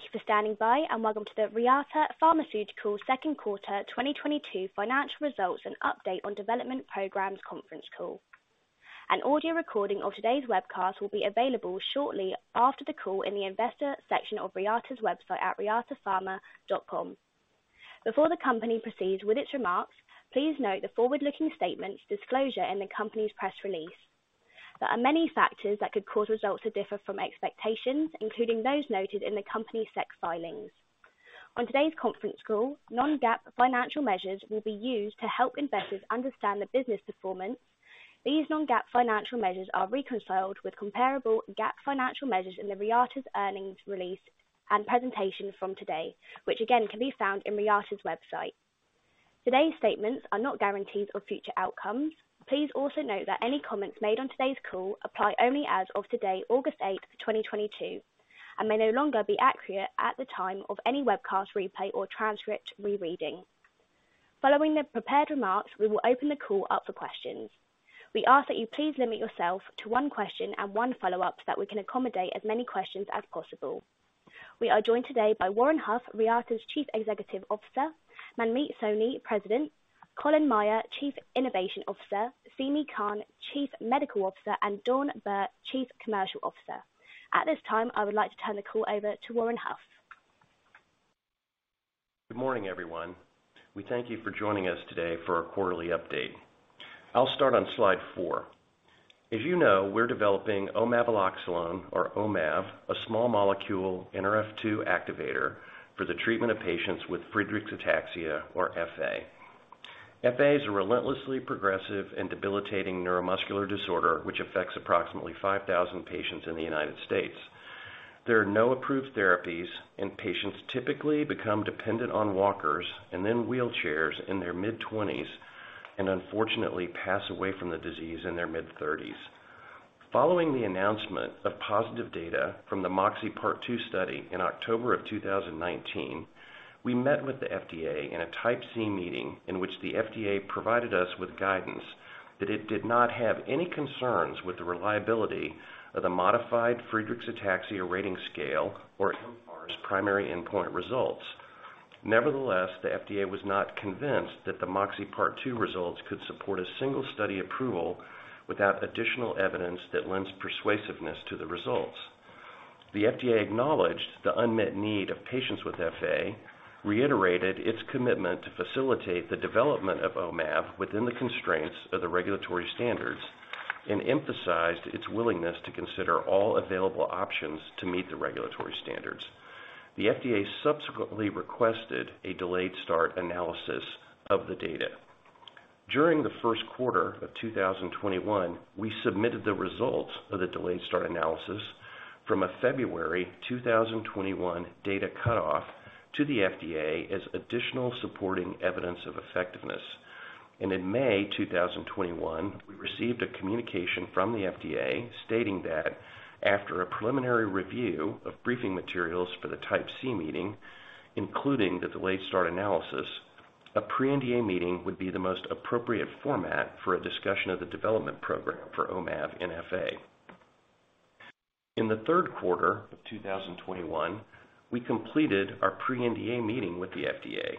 Thank you for standing by, and welcome to the Reata Pharmaceuticals Second Quarter 2022 Financial Results and Update on Development Programs Conference Call. An audio recording of today's webcast will be available shortly after the call in the investor section of Reata's website at reatapharma.com. Before the company proceeds with its remarks, please note the forward-looking statements disclosure in the company's press release. There are many factors that could cause results to differ from expectations, including those noted in the company's SEC filings. On today's conference call, non-GAAP financial measures will be used to help investors understand the business performance. These non-GAAP financial measures are reconciled with comparable GAAP financial measures in Reata's earnings release and presentation from today, which again can be found in Reata's website. Today's statements are not guarantees of future outcomes. Please also note that any comments made on today's call apply only as of today, August 8, 2022, and may no longer be accurate at the time of any webcast replay or transcript rereading. Following the prepared remarks, we will open the call up for questions. We ask that you please limit yourself to one question and one follow-up so that we can accommodate as many questions as possible. We are joined today by Warren Huff, Reata's Executive Officer, Manmeet Soni, President, Colin Meyer, Chief Innovation Officer, Seemi Khan, Chief Medical Officer, and Dawn Bir, Chief Commercial Officer. At this time, I would like to turn the call over to Warren Huff. Good morning, everyone. We thank you for joining us today for our quarterly update. I'll start on slide 4. As you know, we're developing omaveloxolone or omav, a small molecule Nrf2 activator for the treatment of patients with Friedreich's ataxia or FA. FA is a relentlessly progressive and debilitating neuromuscular disorder, which affects approximately 5,000 patients in the United States. There are no approved therapies, and patients typically become dependent on walkers and then wheelchairs in their mid-twenties and unfortunately pass away from the disease in their mid-thirties. Following the announcement of positive data from the MOXIe Part 2 study in October 2019, we met with the FDA in a type C meeting in which the FDA provided us with guidance that it did not have any concerns with the reliability of the modified Friedreich's Ataxia Rating Scale or mFARS primary endpoint results. Nevertheless, the FDA was not convinced that the MOXIe Part 2 results could support a single study approval without additional evidence that lends persuasiveness to the results. The FDA acknowledged the unmet need of patients with FA, reiterated its commitment to facilitate the development of omav within the constraints of the regulatory standards, and emphasized its willingness to consider all available options to meet the regulatory standards. The FDA subsequently requested a delayed start analysis of the data. During the first quarter of 2021, we submitted the results of the delayed start analysis from a February 2021 data cutoff to the FDA as additional supporting evidence of effectiveness. In May 2021, we received a communication from the FDA stating that after a preliminary review of briefing materials for the type C meeting, including the delayed start analysis, a pre-NDA meeting would be the most appropriate format for a discussion of the development program for omav in FA. In the third quarter of 2021, we completed our pre-NDA meeting with the FDA.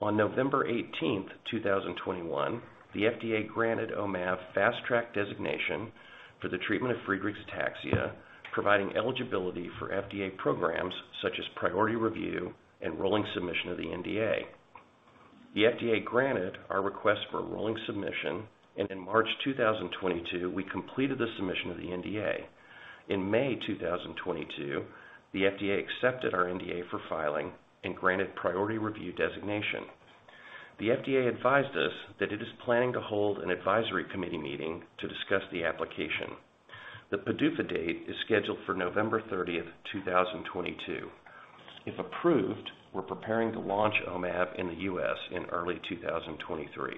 On November 18th, 2021, the FDA granted omav Fast Track designation for the treatment of Friedreich's ataxia, providing eligibility for FDA programs such as priority review and rolling submission of the NDA. The FDA granted our request for rolling submission, and in March 2022, we completed the submission of the NDA. In May 2022, the FDA accepted our NDA for filing and granted priority review designation. The FDA advised us that it is planning to hold an advisory committee meeting to discuss the application. The PDUFA date is scheduled for November 30th, 2022. If approved, we're preparing to launch omav in the U.S. in early 2023.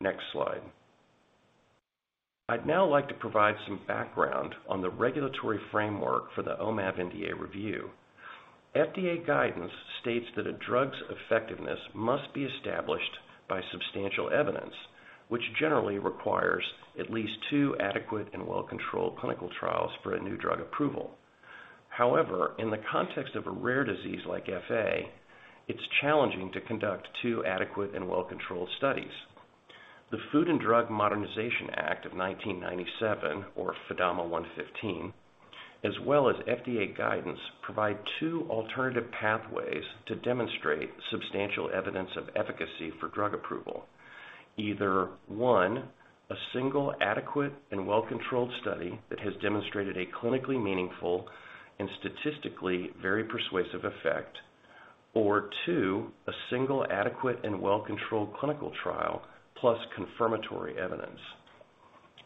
Next slide. I'd now like to provide some background on the regulatory framework for the omav NDA review. FDA guidance states that a drug's effectiveness must be established by substantial evidence, which generally requires at least two adequate and well-controlled clinical trials for a new drug approval. However, in the context of a rare disease like FA, it's challenging to conduct two adequate and well-controlled studies. The Food and Drug Administration Modernization Act of 1997 or FDAMA 115, as well as FDA guidance, provide two alternative pathways to demonstrate substantial evidence of efficacy for drug approval. Either, one, a single adequate and well-controlled study that has demonstrated a clinically meaningful and statistically very persuasive effect, or two, a single adequate and well-controlled clinical trial plus confirmatory evidence.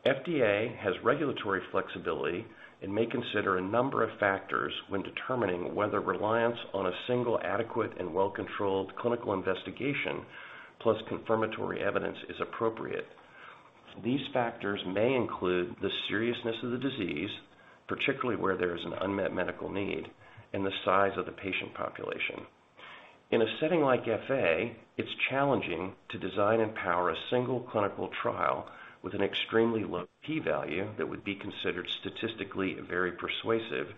FDA has regulatory flexibility and may consider a number of factors when determining whether reliance on a single adequate and well-controlled clinical investigation plus confirmatory evidence is appropriate. These factors may include the seriousness of the disease, particularly where there is an unmet medical need and the size of the patient population. In a setting like FA, it's challenging to design and power a single clinical trial with an extremely low P-value that would be considered statistically very persuasive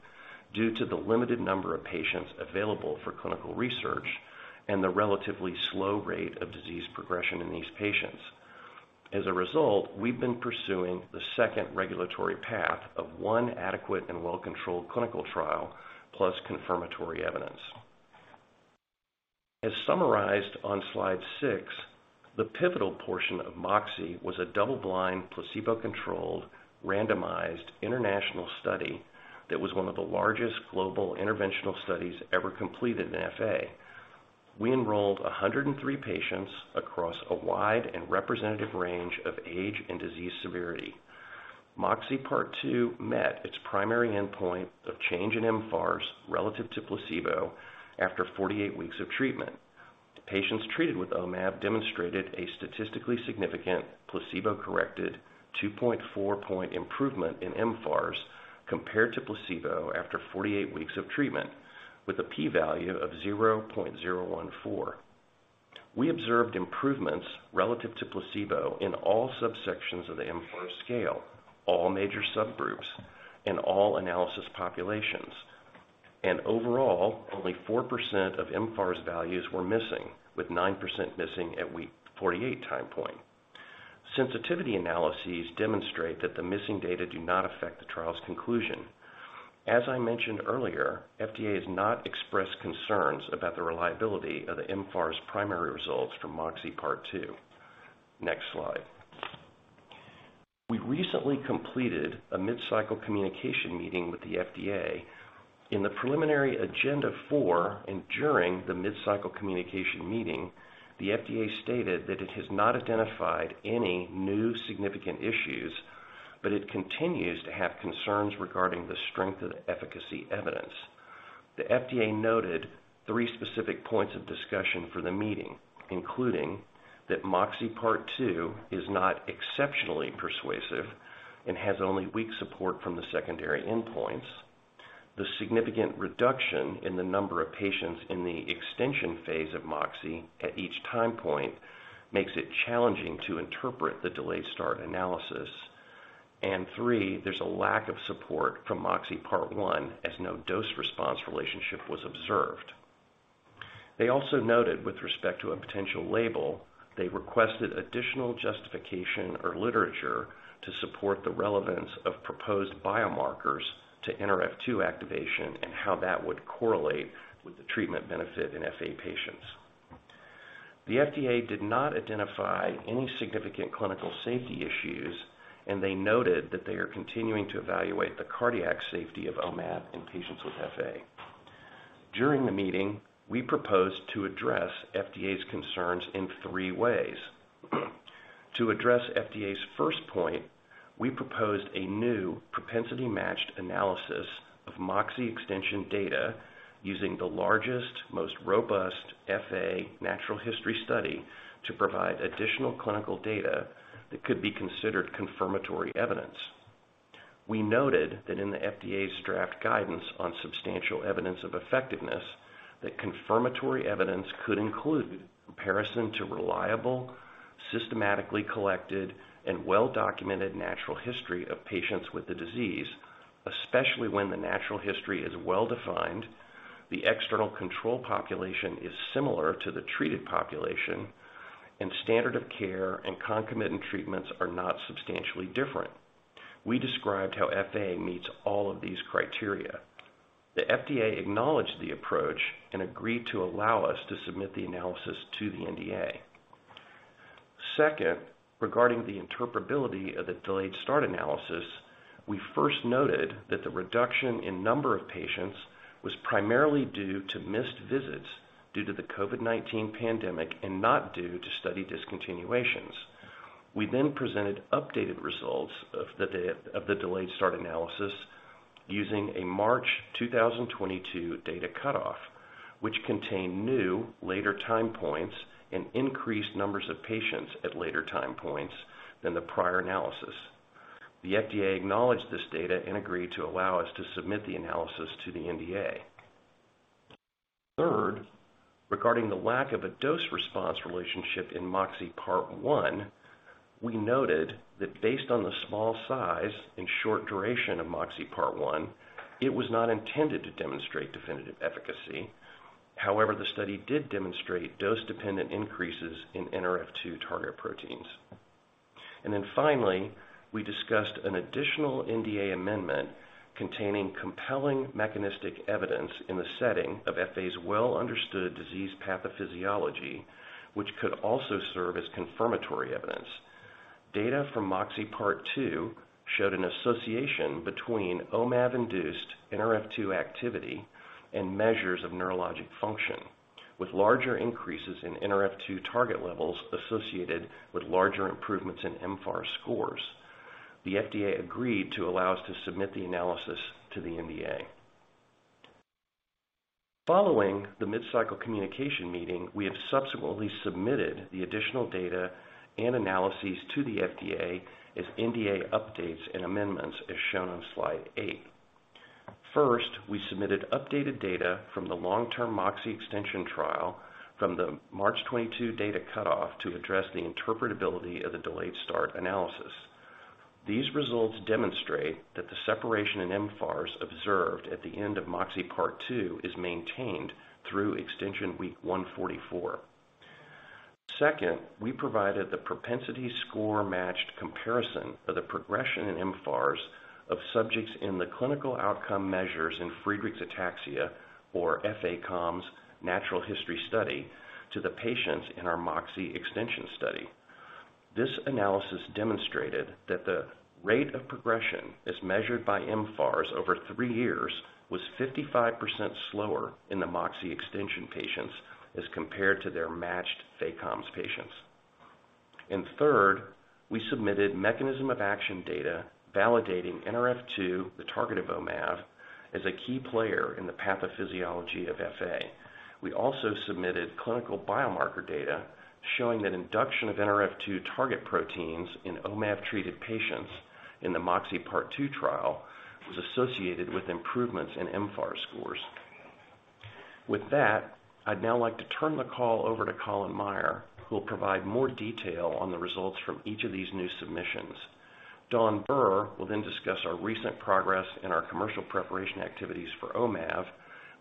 due to the limited number of patients available for clinical research and the relatively slow rate of disease progression in these patients. As a result, we've been pursuing the second regulatory path of one adequate and well-controlled clinical trial plus confirmatory evidence. As summarized on slide 6, the pivotal portion of MOXIe was a double-blind, placebo-controlled, randomized international study that was one of the largest global interventional studies ever completed in FA. We enrolled 103 patients across a wide and representative range of age and disease severity. MOXIe Part 2 met its primary endpoint of change in mFARS relative to placebo after 48 weeks of treatment. Patients treated with omav demonstrated a statistically significant placebo-corrected 2.4-point improvement in mFARS compared to placebo after 48 weeks of treatment with a P-value of 0.014. We observed improvements relative to placebo in all subsections of the mFARS scale, all major subgroups, and all analysis populations. Overall, only 4% of mFARS values were missing, with 9% missing at week 48 time point. Sensitivity analyses demonstrate that the missing data do not affect the trial's conclusion. As I mentioned earlier, FDA has not expressed concerns about the reliability of the mFARS primary results from MOXIe Part 2. Next slide. We recently completed a mid-cycle communication meeting with the FDA. In the preliminary agenda for and during the mid-cycle communication meeting, the FDA stated that it has not identified any new significant issues, but it continues to have concerns regarding the strength of efficacy evidence. The FDA noted three specific points of discussion for the meeting, including that MOXIe Part 2 is not exceptionally persuasive and has only weak support from the secondary endpoints. The significant reduction in the number of patients in the extension phase of MOXIe at each time point makes it challenging to interpret the delayed start analysis. Three, there's a lack of support from MOXIe Part 1 as no dose response relationship was observed. They also noted with respect to a potential label, they requested additional justification or literature to support the relevance of proposed biomarkers to Nrf2 activation and how that would correlate with the treatment benefit in FA patients. The FDA did not identify any significant clinical safety issues, and they noted that they are continuing to evaluate the cardiac safety of omav in patients with FA. During the meeting, we proposed to address FDA's concerns in three ways. To address FDA's first point, we proposed a new propensity-matched analysis of MOXIe extension data using the largest, most robust FA natural history study to provide additional clinical data that could be considered confirmatory evidence. We noted that in the FDA's draft guidance on substantial evidence of effectiveness, that confirmatory evidence could include comparison to reliable, systematically collected, and well-documented natural history of patients with the disease, especially when the natural history is well-defined, the external control population is similar to the treated population, and standard of care and concomitant treatments are not substantially different. We described how FA meets all of these criteria. The FDA acknowledged the approach and agreed to allow us to submit the analysis to the NDA. Second, regarding the interpretability of the delayed start analysis, we first noted that the reduction in number of patients was primarily due to missed visits due to the COVID-19 pandemic and not due to study discontinuations. We then presented updated results of the delayed start analysis using a March 2022 data cutoff, which contained new later time points and increased numbers of patients at later time points than the prior analysis. The FDA acknowledged this data and agreed to allow us to submit the analysis to the NDA. Third, regarding the lack of a dose-response relationship in MOXIe Part 1, we noted that based on the small size and short duration of MOXIe Part 1, it was not intended to demonstrate definitive efficacy. However, the study did demonstrate dose-dependent increases in Nrf2 target proteins. Finally, we discussed an additional NDA amendment containing compelling mechanistic evidence in the setting of FA's well-understood disease pathophysiology, which could also serve as confirmatory evidence. Data from MOXIe Part 2 showed an association between OMAV-induced Nrf2 activity and measures of neurologic function, with larger increases in Nrf2 target levels associated with larger improvements in mFARS scores. The FDA agreed to allow us to submit the analysis to the NDA. Following the mid-cycle communication meeting, we have subsequently submitted the additional data and analyses to the FDA as NDA updates and amendments, as shown on slide 8. First, we submitted updated data from the long-term MOXIe extension trial from the March 2022 data cutoff to address the interpretability of the delayed start analysis. These results demonstrate that the separation in mFARS observed at the end of MOXIe Part 2 is maintained through extension week 144. Second, we provided the propensity score-matched comparison of the progression in mFARS of subjects in the clinical outcome measures in Friedreich's ataxia or FACOMS natural history study to the patients in our MOXIe extension study. This analysis demonstrated that the rate of progression as measured by mFARS over three years was 55% slower in the MOXIe extension patients as compared to their matched FACOMS patients. Third, we submitted mechanism of action data validating Nrf2, the target of omav, as a key player in the pathophysiology of FA. We also submitted clinical biomarker data showing that induction of Nrf2 target proteins in omav-treated patients in the MOXIe Part 2 trial was associated with improvements in mFARS scores. With that, I'd now like to turn the call over to Colin Meyer, who will provide more detail on the results from each of these new submissions. Dawn Bir will then discuss our recent progress and our commercial preparation activities for omav.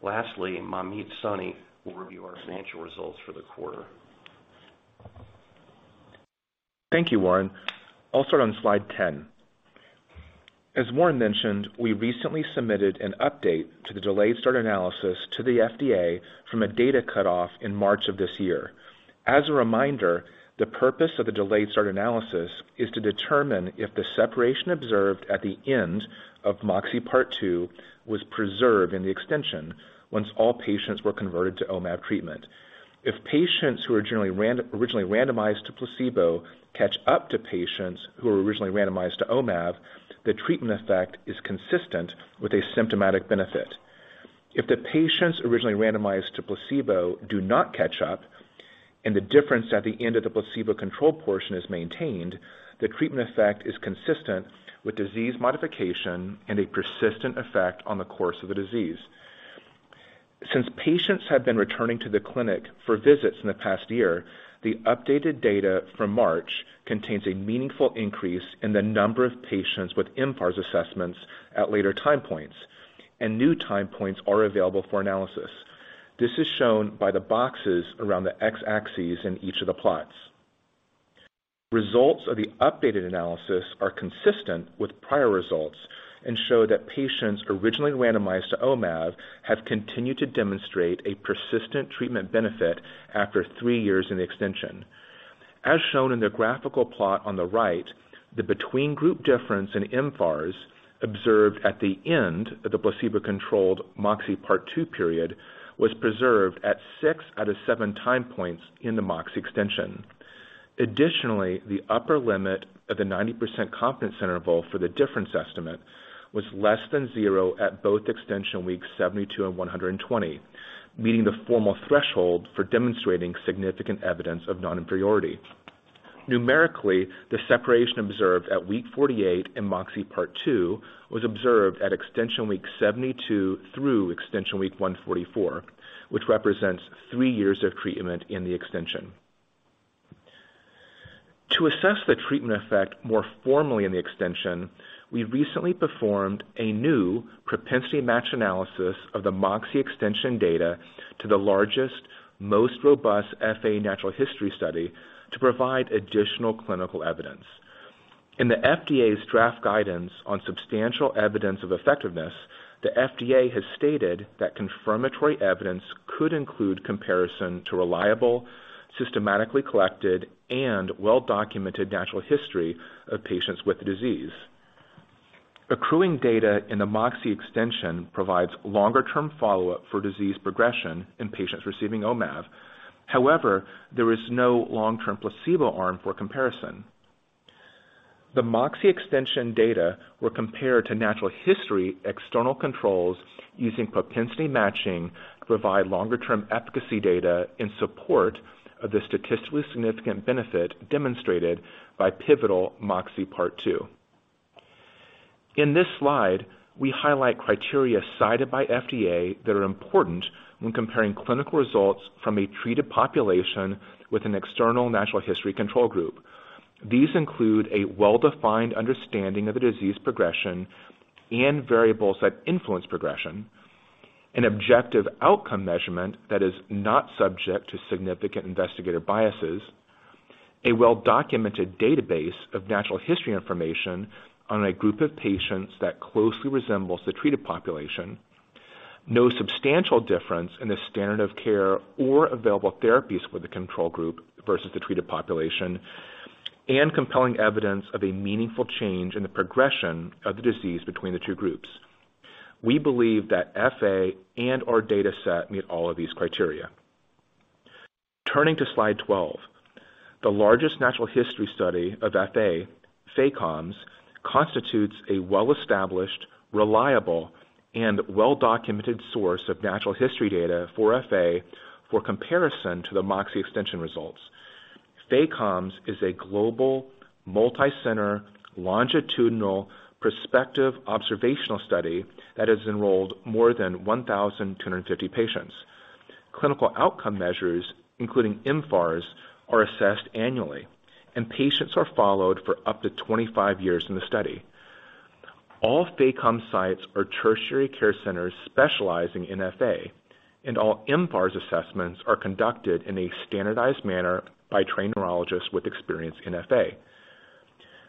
Lastly, Manmeet Soni will review our financial results for the quarter. Thank you, Warren. I'll start on slide 10. As Warren mentioned, we recently submitted an update to the delayed start analysis to the FDA from a data cutoff in March of this year. As a reminder, the purpose of the delayed start analysis is to determine if the separation observed at the end of MOXIe Part 2 was preserved in the extension once all patients were converted to omav treatment. If patients who were generally originally randomized to placebo catch up to patients who were originally randomized to omav, the treatment effect is consistent with a symptomatic benefit. If the patients originally randomized to placebo do not catch up, and the difference at the end of the placebo control portion is maintained, the treatment effect is consistent with disease modification and a persistent effect on the course of the disease. Since patients have been returning to the clinic for visits in the past year, the updated data from March contains a meaningful increase in the number of patients with mFARS assessments at later time points, and new time points are available for analysis. This is shown by the boxes around the x-axes in each of the plots. Results of the updated analysis are consistent with prior results and show that patients originally randomized to omav have continued to demonstrate a persistent treatment benefit after three years in the extension. As shown in the graphical plot on the right, the between group difference in mFARS observed at the end of the placebo-controlled MOXIe Part 2 period was preserved at six out of seven time points in the MOXIe extension. The upper limit of the 90% confidence interval for the difference estimate was less than zero at both extension weeks 72 and 120, meeting the formal threshold for demonstrating significant evidence of non-inferiority. Numerically, the separation observed at week 48 in MOXIe Part 2 was observed at extension week 72 through extension week 144, which represents three years of treatment in the extension. To assess the treatment effect more formally in the extension, we recently performed a new propensity score matching analysis of the MOXIe extension data to the largest, most robust FA natural history study to provide additional clinical evidence. In the FDA's draft guidance on substantial evidence of effectiveness, the FDA has stated that confirmatory evidence could include comparison to reliable, systematically collected, and well-documented natural history of patients with the disease. Accruing data in the MOXIe extension provides longer term follow-up for disease progression in patients receiving omav. However, there is no long-term placebo arm for comparison. The MOXIe extension data were compared to natural history external controls using propensity matching to provide longer term efficacy data in support of the statistically significant benefit demonstrated by pivotal MOXIe Part 2. In this slide, we highlight criteria cited by FDA that are important when comparing clinical results from a treated population with an external natural history control group. These include a well-defined understanding of the disease progression and variables that influence progression, an objective outcome measurement that is not subject to significant investigator biases, a well-documented database of natural history information on a group of patients that closely resembles the treated population, no substantial difference in the standard of care or available therapies for the control group versus the treated population, and compelling evidence of a meaningful change in the progression of the disease between the two groups. We believe that FA and our dataset meet all of these criteria. Turning to slide 12, the largest natural history study of FA-COMS, constitutes a well-established, reliable, and well-documented source of natural history data for FA for comparison to the MOXIe extension results. FA-COMS is a global multi-center longitudinal prospective observational study that has enrolled more than 1,250 patients. Clinical outcome measures, including mFARS, are assessed annually, and patients are followed for up to 25 years in the study. All FA-COMS sites are tertiary care centers specializing in FA, and all mFARS assessments are conducted in a standardized manner by trained neurologists with experience in FA.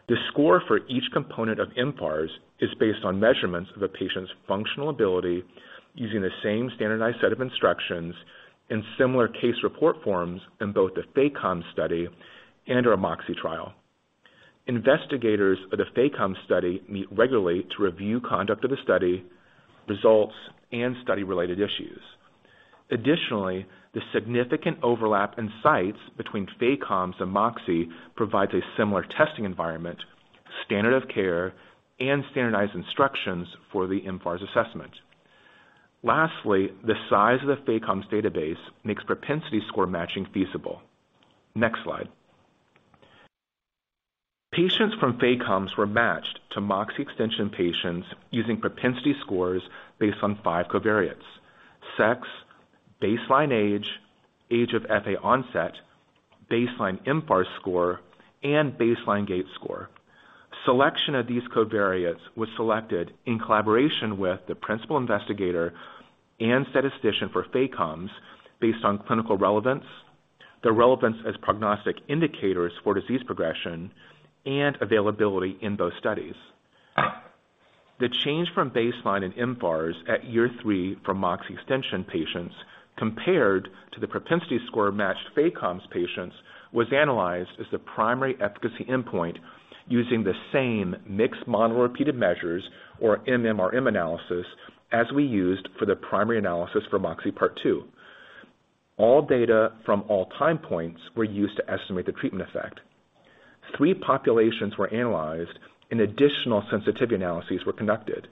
The score for each component of mFARS is based on measurements of a patient's functional ability using the same standardized set of instructions and similar case report forms in both the FA-COMS study and our MOXIe trial. Investigators of the FA-COMS study meet regularly to review conduct of the study, results, and study-related issues. Additionally, the significant overlap in sites between FA-COMS and MOXIe provides a similar testing environment, standard of care, and standardized instructions for the mFARS assessment. Lastly, the size of the FA-COMS database makes propensity score matching feasible. Next slide. Patients from FA-COMS were matched to MOXIe extension patients using propensity scores based on five covariates: sex, baseline age of FA onset, baseline mFARS score, and baseline gait score. Selection of these covariates was selected in collaboration with the principal investigator and statistician for FA-COMS based on clinical relevance, the relevance as prognostic indicators for disease progression, and availability in both studies. The change from baseline in mFARS at year three for MOXIe extension patients compared to the propensity score-matched FA-COMS patients was analyzed as the primary efficacy endpoint using the same mixed model repeated measures or MMRM analysis as we used for the primary analysis for MOXIe Part 2. All data from all time points were used to estimate the treatment effect. Three populations were analyzed, and additional sensitivity analyses were conducted.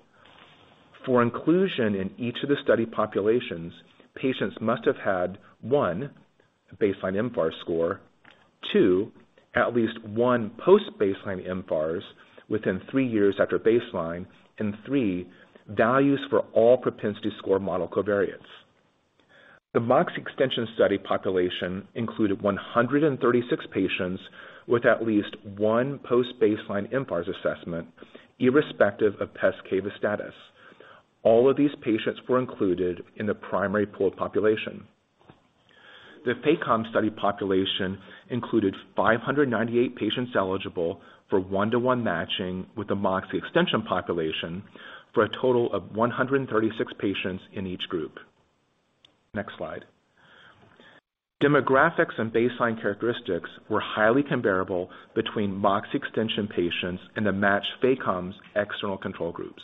For inclusion in each of the study populations, patients must have had, one, baseline mFARS score, two, at least one post-baseline mFARS within three years after baseline, and three, values for all propensity score model covariates. The MOXIe extension study population included 136 patients with at least one post-baseline mFARS assessment, irrespective of pes cavus status. All of these patients were included in the primary pooled population. The FA-COMS study population included 598 patients eligible for one-to-one matching with the MOXIe extension population, for a total of 136 patients in each group. Next slide. Demographics and baseline characteristics were highly comparable between MOXIe extension patients and the matched FA-COMS external control groups.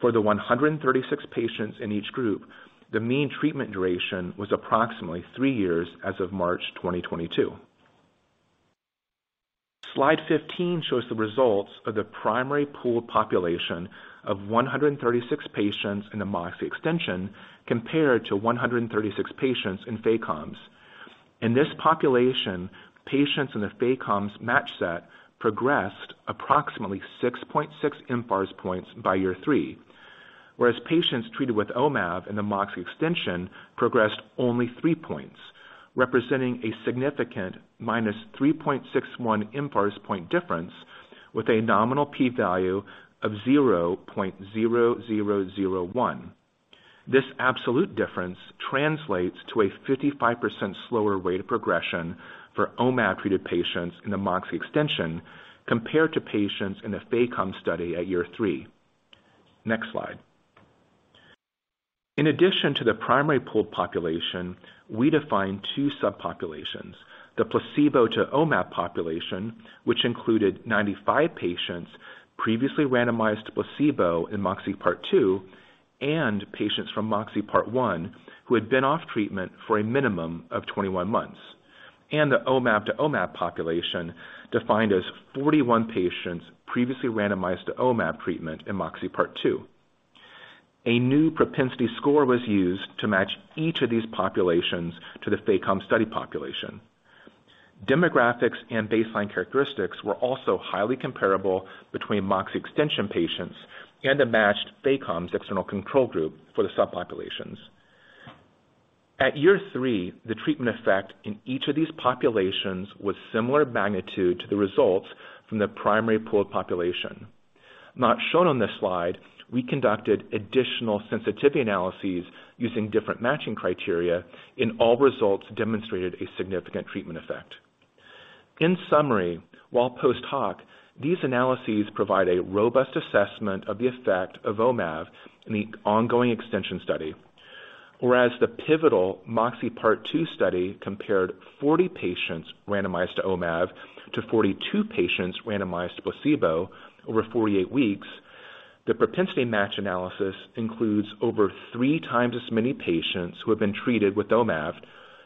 For the 136 patients in each group, the mean treatment duration was approximately three years as of March 2022. Slide 15 shows the results of the primary pool population of 136 patients in the MOXIe extension compared to 136 patients in FA-COMS. In this population, patients in the FA-COMS match set progressed approximately 6.6 mFARS points by year three, whereas patients treated with omav in the MOXIe extension progressed only three points, representing a significant -3.61 mFARS point difference with a nominal P-value of 0.0001. This absolute difference translates to a 55% slower rate of progression for omav-treated patients in the MOXIe extension compared to patients in the FA-COMS study at year three. Next slide. In addition to the primary pool population, we defined two subpopulations. The placebo to omav population, which included 95 patients previously randomized to placebo in MOXIe Part 2 and patients from MOXIe Part 1 who had been off treatment for a minimum of 21 months. The omav to omav population, defined as 41 patients previously randomized to omav treatment in MOXIe Part 2. A new propensity score was used to match each of these populations to the FA-COMS study population. Demographics and baseline characteristics were also highly comparable between MOXIe extension patients and the matched FA-COMS external control group for the subpopulations. At year three, the treatment effect in each of these populations was similar magnitude to the results from the primary pooled population. Not shown on this slide, we conducted additional sensitivity analyses using different matching criteria, and all results demonstrated a significant treatment effect. In summary, while post-hoc, these analyses provide a robust assessment of the effect of omav in the ongoing extension study, whereas the pivotal MOXIe Part 2 study compared 40 patients randomized to omav to 42 patients randomized to placebo over 48 weeks. The propensity match analysis includes over three times as many patients who have been treated with omav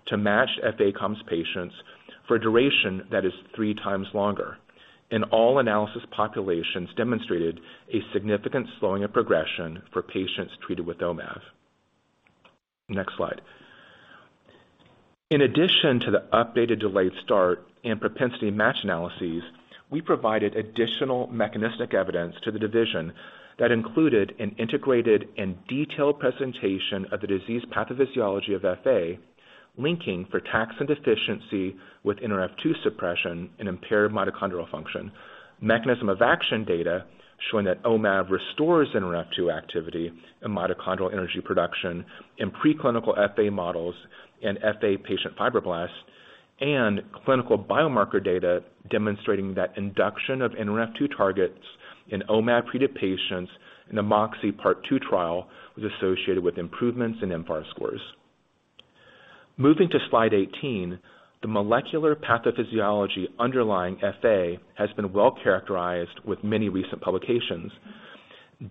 to matched FA-COMS patients for a duration that is three times longer. All analysis populations demonstrated a significant slowing of progression for patients treated with omav. Next slide. In addition to the updated delayed start and propensity match analyses, we provided additional mechanistic evidence to the division that included an integrated and detailed presentation of the disease pathophysiology of FA, linking frataxin deficiency with Nrf2 suppression and impaired mitochondrial function. Mechanism of action data showing that omav restores Nrf2 activity and mitochondrial energy production in preclinical FA models and FA patient fibroblasts. Clinical biomarker data demonstrating that induction of Nrf2 targets in omav treated patients in the MOXIe Part 2 trial was associated with improvements in mFARS scores. Moving to slide 18, the molecular pathophysiology underlying FA has been well characterized with many recent publications.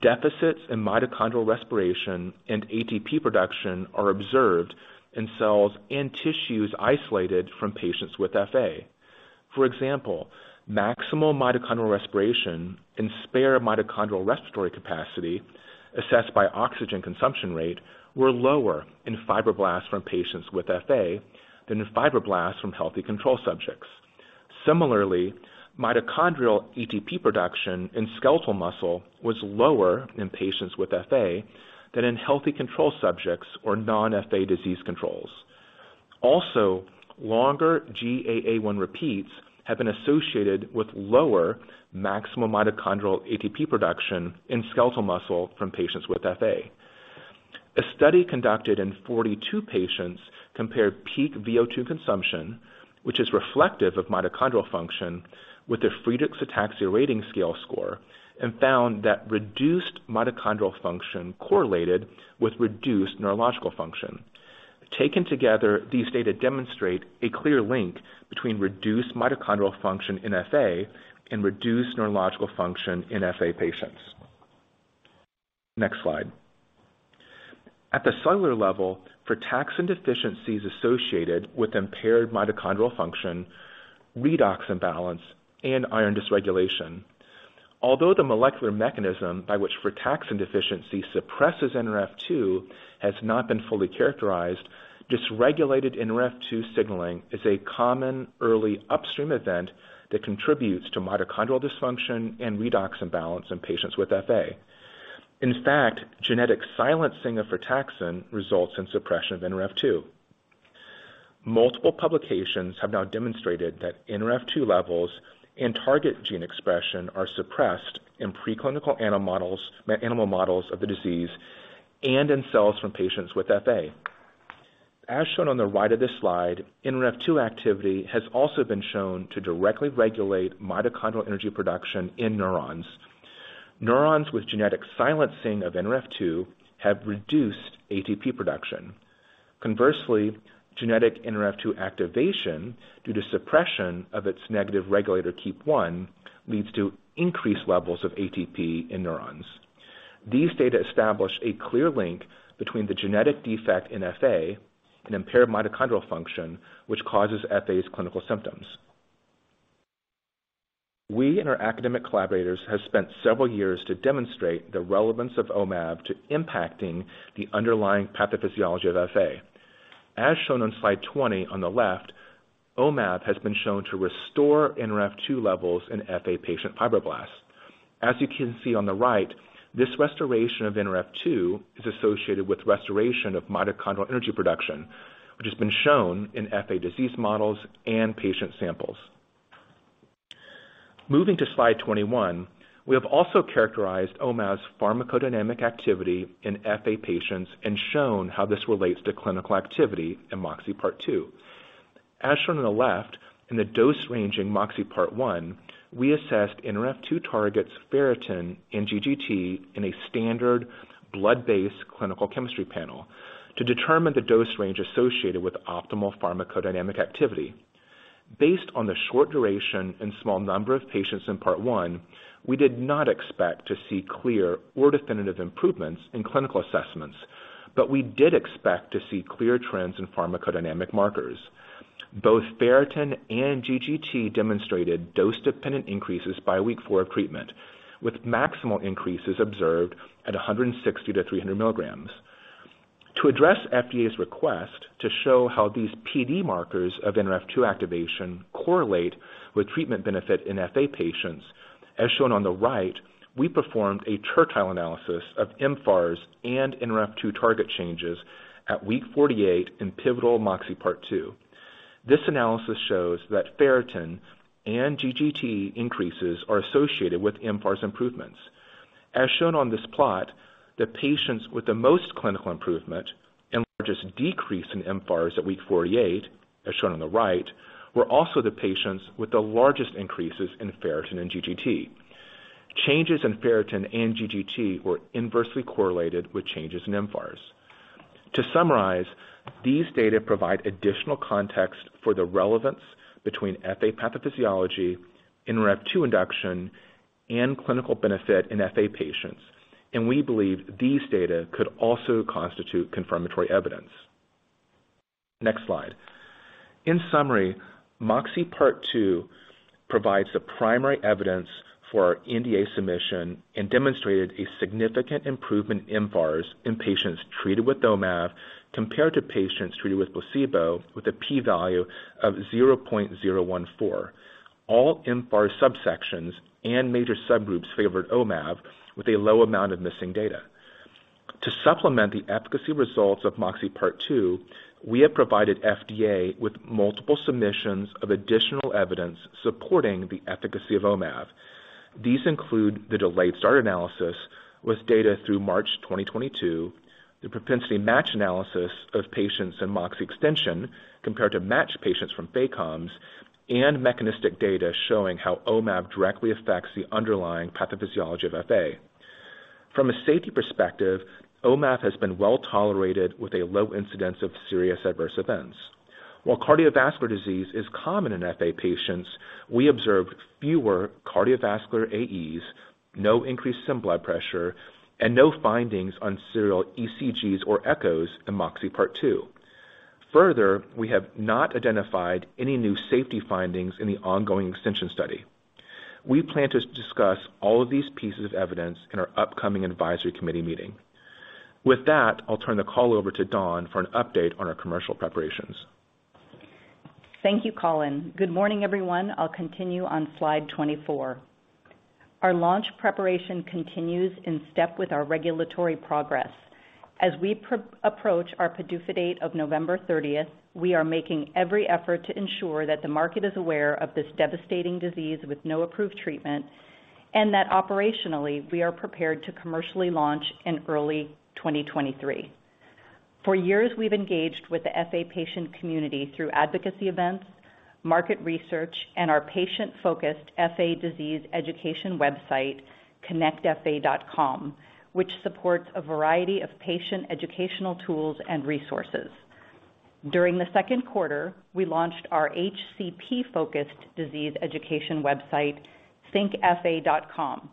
Deficits in mitochondrial respiration and ATP production are observed in cells and tissues isolated from patients with FA. For example, maximal mitochondrial respiration and spare mitochondrial respiratory capacity assessed by oxygen consumption rate were lower in fibroblasts from patients with FA than in fibroblasts from healthy control subjects. Similarly, mitochondrial ATP production in skeletal muscle was lower in patients with FA than in healthy control subjects or non-FA disease controls. Also, longer GAA1 repeats have been associated with lower maximum mitochondrial ATP production in skeletal muscle from patients with FA. A study conducted in 42 patients compared peak VO2 consumption, which is reflective of mitochondrial function, with their Friedreich's Ataxia Rating Scale score and found that reduced mitochondrial function correlated with reduced neurological function. Taken together, these data demonstrate a clear link between reduced mitochondrial function in FA and reduced neurological function in FA patients. Next slide. At the cellular level, frataxin deficiency is associated with impaired mitochondrial function, redox imbalance, and iron dysregulation. Although the molecular mechanism by which frataxin deficiency suppresses Nrf2 has not been fully characterized, dysregulated Nrf2 signaling is a common early upstream event that contributes to mitochondrial dysfunction and redox imbalance in patients with FA. In fact, genetic silencing of frataxin results in suppression of Nrf2. Multiple publications have now demonstrated that Nrf2 levels and target gene expression are suppressed in preclinical animal models of the disease and in cells from patients with FA. As shown on the right of this slide, Nrf2 activity has also been shown to directly regulate mitochondrial energy production in neurons. Neurons with genetic silencing of Nrf2 have reduced ATP production. Conversely, genetic Nrf2 activation, due to suppression of its negative regulator Keap1, leads to increased levels of ATP in neurons. These data establish a clear link between the genetic defect in FA and impaired mitochondrial function, which causes FA's clinical symptoms. We and our academic collaborators have spent several years to demonstrate the relevance of omav to impacting the underlying pathophysiology of FA. As shown on slide 20 on the left, omav has been shown to restore Nrf2 levels in FA patient fibroblasts. As you can see on the right, this restoration of Nrf2 is associated with restoration of mitochondrial energy production, which has been shown in FA disease models and patient samples. Moving to slide 21, we have also characterized omav's pharmacodynamic activity in FA patients and shown how this relates to clinical activity in MOXIe Part 2. As shown on the left, in the dose-ranging MOXIe Part 1, we assessed Nrf2 targets ferritin and GGT in a standard blood-based clinical chemistry panel to determine the dose range associated with optimal pharmacodynamic activity. Based on the short duration and small number of patients in Part 1, we did not expect to see clear or definitive improvements in clinical assessments, but we did expect to see clear trends in pharmacodynamic markers. Both ferritin and GGT demonstrated dose-dependent increases by week 4 of treatment, with maximal increases observed at 160 to 300 milligrams. To address FDA's request to show how these PD markers of Nrf2 activation correlate with treatment benefit in FA patients, as shown on the right, we performed a tertile analysis of mFARS and Nrf2 target changes at week 48 in pivotal MOXIe Part 2. This analysis shows that ferritin and GGT increases are associated with mFARS improvements. As shown on this plot, the patients with the most clinical improvement and largest decrease in mFARS at week 48, as shown on the right, were also the patients with the largest increases in ferritin and GGT. Changes in ferritin and GGT were inversely correlated with changes in mFARS. To summarize, these data provide additional context for the relevance between FA pathophysiology, Nrf2 induction, and clinical benefit in FA patients, and we believe these data could also constitute confirmatory evidence. Next slide. In summary, MOXIe Part 2 provides the primary evidence for our NDA submission and demonstrated a significant improvement in mFARS in patients treated with omav compared to patients treated with placebo with a P-value of 0.014. All mFARS subsections and major subgroups favored omav with a low amount of missing data. To supplement the efficacy results of MOXIe Part 2, we have provided FDA with multiple submissions of additional evidence supporting the efficacy of omav. These include the delayed start analysis with data through March 2022, the propensity match analysis of patients in MOXIe extension compared to matched patients from FACOMS, and mechanistic data showing how omav directly affects the underlying pathophysiology of FA. From a safety perspective, omav has been well tolerated with a low incidence of serious adverse events. While cardiovascular disease is common in FA patients, we observed fewer cardiovascular AEs, no increased systemic blood pressure, and no findings on serial ECGs or echoes in MOXIe Part 2. Further, we have not identified any new safety findings in the ongoing extension study. We plan to discuss all of these pieces of evidence in our upcoming advisory committee meeting. With that, I'll turn the call over to Dawn for an update on our commercial preparations. Thank you, Colin. Good morning, everyone. I'll continue on slide 24. Our launch preparation continues in step with our regulatory progress. As we approach our PDUFA date of November 30th, we are making every effort to ensure that the market is aware of this devastating disease with no approved treatment and that operationally, we are prepared to commercially launch in early 2023. For years, we've engaged with the FA patient community through advocacy events, market research, and our patient-focused FA disease education website, connectfa.com, which supports a variety of patient educational tools and resources. During the second quarter, we launched our HCP-focused disease education website, ThinkFA.com,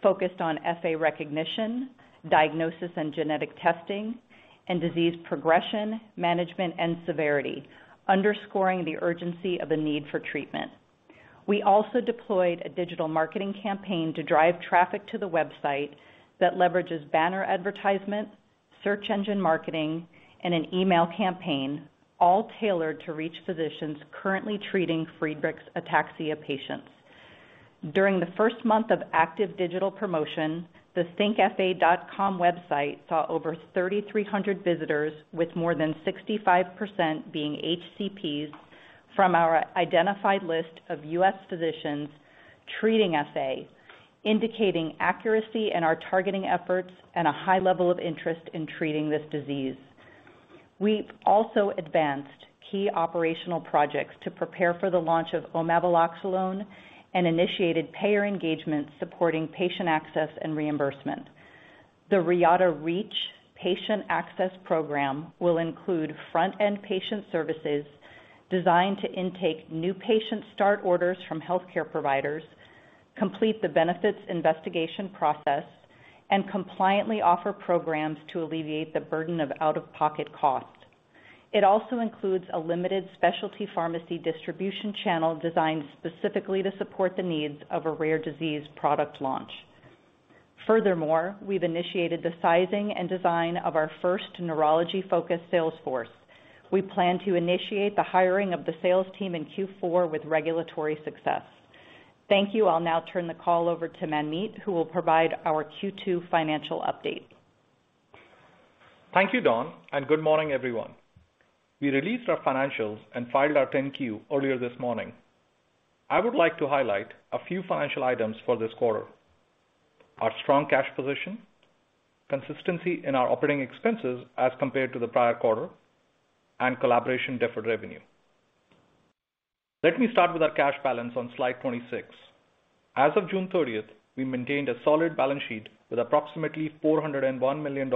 focused on FA recognition, diagnosis and genetic testing, and disease progression, management, and severity, underscoring the urgency of a need for treatment. We also deployed a digital marketing campaign to drive traffic to the website that leverages banner advertisements, search engine marketing, and an email campaign, all tailored to reach physicians currently treating Friedreich's ataxia patients. During the first month of active digital promotion, the ThinkFA.com website saw over 3,300 visitors, with more than 65% being HCPs from our identified list of U.S. physicians treating FA, indicating accuracy in our targeting efforts and a high level of interest in treating this disease. We've also advanced key operational projects to prepare for the launch of omaveloxolone and initiated payer engagement supporting patient access and reimbursement. The Reata REACH patient access program will include front-end patient services designed to intake new patient start orders from healthcare providers, complete the benefits investigation process, and compliantly offer programs to alleviate the burden of out-of-pocket costs. It also includes a limited specialty pharmacy distribution channel designed specifically to support the needs of a rare disease product launch. Furthermore, we've initiated the sizing and design of our first neurology-focused sales force. We plan to initiate the hiring of the sales team in Q4 with regulatory success. Thank you. I'll now turn the call over to Manmeet, who will provide our Q2 financial update. Thank you, Dawn, and good morning, everyone. We released our financials and filed our 10-Q earlier this morning. I would like to highlight a few financial items for this quarter. Our strong cash position, consistency in our operating expenses as compared to the prior quarter, and collaboration deferred revenue. Let me start with our cash balance on slide 26. As of June 30th, we maintained a solid balance sheet with approximately $401 million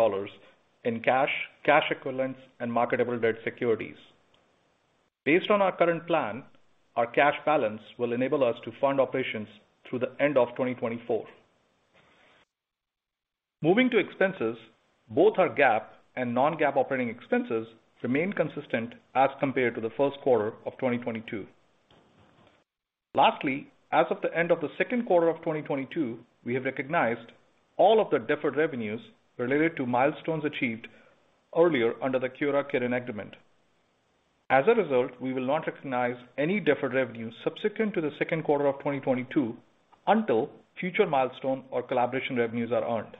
in cash equivalents, and marketable debt securities. Based on our current plan, our cash balance will enable us to fund operations through the end of 2024. Moving to expenses, both our GAAP and non-GAAP operating expenses remain consistent as compared to the first quarter of 2022. Lastly, as of the end of the second quarter of 2022, we have recognized all of the deferred revenues related to milestones achieved earlier under the Kyowa Kirin agreement. As a result, we will not recognize any deferred revenues subsequent to the second quarter of 2022 until future milestone or collaboration revenues are earned.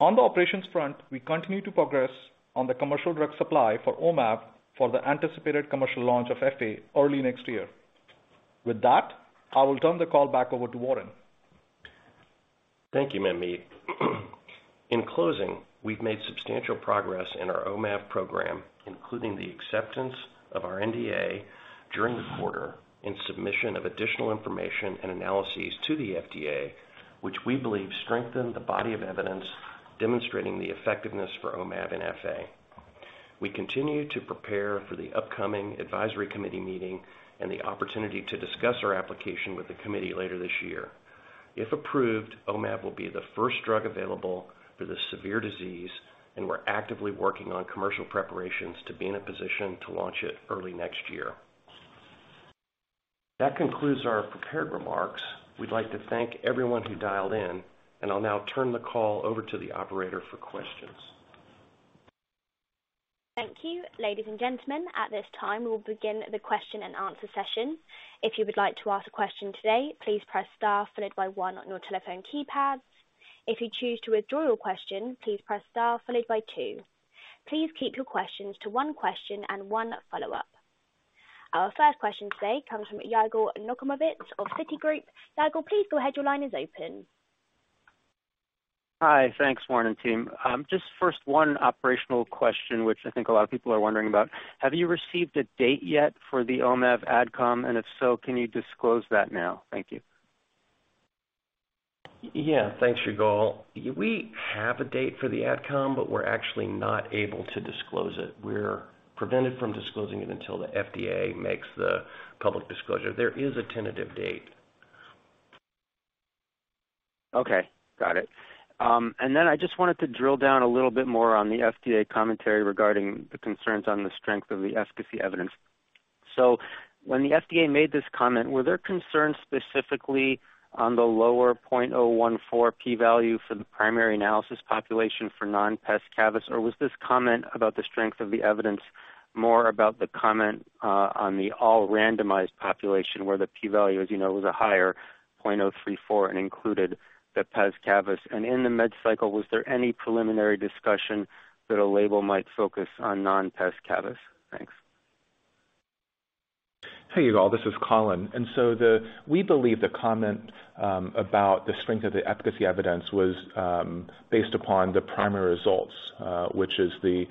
On the operations front, we continue to progress on the commercial drug supply for omav for the anticipated commercial launch of FA early next year. With that, I will turn the call back over to Warren. Thank you, Manmeet. In closing, we've made substantial progress in our omav program, including the acceptance of our NDA during the quarter and submission of additional information and analyses to the FDA, which we believe strengthen the body of evidence demonstrating the effectiveness for omav in FA. We continue to prepare for the upcoming advisory committee meeting and the opportunity to discuss our application with the committee later this year. If approved, omav will be the first drug available for this severe disease, and we're actively working on commercial preparations to be in a position to launch it early next year. That concludes our prepared remarks. We'd like to thank everyone who dialed in, and I'll now turn the call over to the operator for questions. Thank you, ladies and gentlemen. At this time, we'll begin the question-and-answer session. If you would like to ask a question today, please press star followed by one on your telephone keypads. If you choose to withdraw your question, please press star followed by two. Please keep your questions to one question and one follow-up. Our first question today comes from Yigal Nochomovitz of Citigroup. Yigal, please go ahead. Your line is open. Hi. Thanks, Warren and team. Just first, one operational question which I think a lot of people are wondering about: Have you received a date yet for the omav AdCom? If so, can you disclose that now? Thank you. Yeah. Thanks, Yigal. We have a date for the AdCom, but we're actually not able to disclose it. We're prevented from disclosing it until the FDA makes the public disclosure. There is a tentative date. Okay. Got it. I just wanted to drill down a little bit more on the FDA commentary regarding the concerns on the strength of the efficacy evidence. When the FDA made this comment, were there concerns specifically on the lower 0.014 P-value for the primary analysis population for non pes cavus, or was this comment about the strength of the evidence more about the comment on the all randomized population, where the P-value, as you know, was a higher 0.034 and included the pes cavus? In the mid-cycle, was there any preliminary discussion that a label might focus on non pes cavus? Thanks. Hey, Yigal. This is Colin. We believe the comment about the strength of the efficacy evidence was based upon the primary results, which is the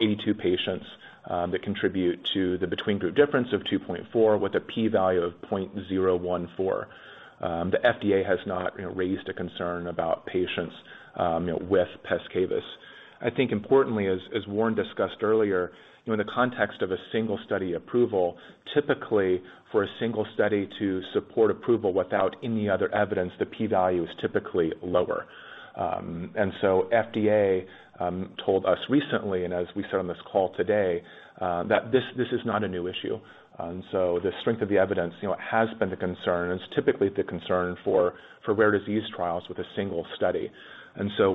82 patients that contribute to the between-group difference of 2.4, with a P-value of 0.014. The FDA has not, you know, raised a concern about patients, you know, with pes cavus. I think importantly, as Warren discussed earlier, you know, in the context of a single study approval, typically for a single study to support approval without any other evidence, the P-value is typically lower. FDA told us recently, and as we said on this call today, that this is not a new issue. The strength of the evidence, you know, it has been the concern and it's typically the concern for rare disease trials with a single study.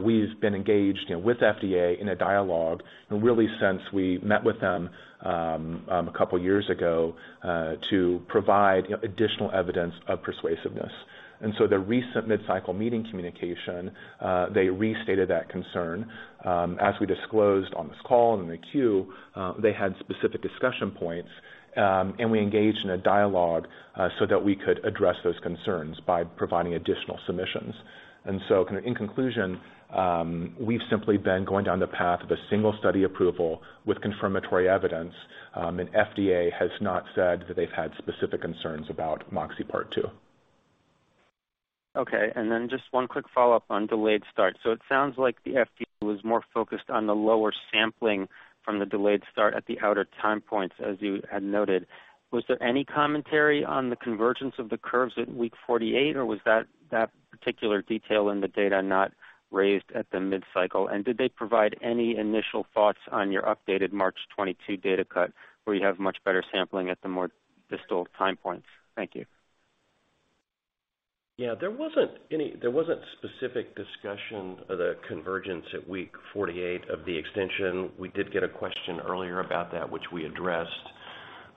We've been engaged, you know, with FDA in a dialogue, and really since we met with them a couple years ago to provide, you know, additional evidence of persuasiveness. The recent mid-cycle meeting communication, they restated that concern. As we disclosed on this call in the 10-Q, they had specific discussion points, and we engaged in a dialogue so that we could address those concerns by providing additional submissions. In conclusion, we've simply been going down the path of a single study approval with confirmatory evidence, and FDA has not said that they've had specific concerns about MOXIe Part 2. Okay, just one quick follow-up on delayed start. It sounds like the FDA was more focused on the lower sampling from the delayed start at the outer time points, as you had noted. Was there any commentary on the convergence of the curves at week 48, or was that particular detail in the data not raised at the mid-cycle? Did they provide any initial thoughts on your updated March 2022 data cut, where you have much better sampling at the more distal time points? Thank you. Yeah. There wasn't specific discussion of the convergence at week 48 of the extension. We did get a question earlier about that, which we addressed.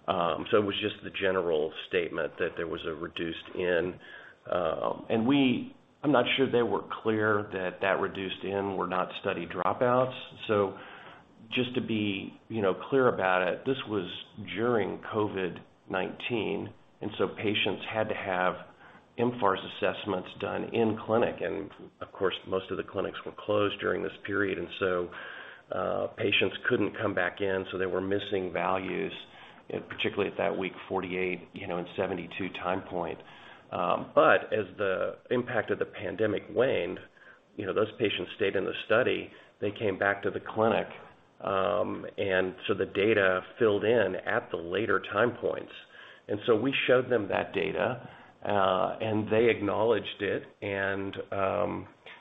It was just the general statement that there was a reduction in. I'm not sure they were clear that the reductions were not study dropouts. Just to be, you know, clear about it, this was during COVID-19, and patients had to have mFARS assessments done in clinic. Of course, most of the clinics were closed during this period, patients couldn't come back in, so they were missing values, you know, particularly at that week 48, you know, and 72 time point. As the impact of the pandemic waned, you know, those patients stayed in the study. They came back to the clinic. The data filled in at the later time points. We showed them that data, and they acknowledged it.